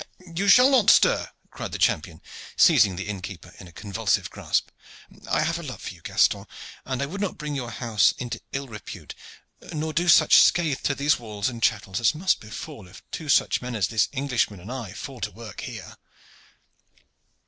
"You shall not stir," cried the champion, seizing the inn keeper in a convulsive grasp. "I have a love for you, Gaston, and I would not bring your house into ill repute, nor do such scath to these walls and chattels as must befall if two such men as this Englishman and I fall to work here."